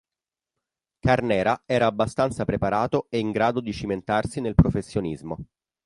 Carnera era abbastanza preparato e in grado di cimentarsi nel professionismo.